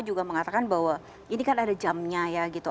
dan juga mengatakan bahwa ini kan ada jamnya ya gitu